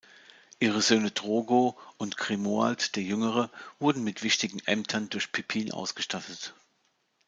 Ihre Söhne Drogo und Grimoald der Jüngere wurden mit wichtigen Ämtern durch Pippin ausgestattet.